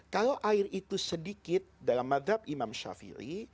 kalau air itu sedikit dalam madhab imam ⁇ shafili